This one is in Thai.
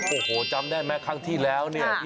โอ้โหจำได้ไหมครั้งที่แล้วเนี่ย